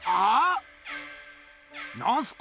なんすか？